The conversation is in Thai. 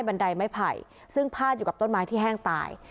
ไดไม้ไผ่ซึ่งพาดอยู่กับต้นไม้ที่แห้งตาย